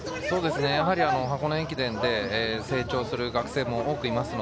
箱根駅伝で成長する学生も多くいます。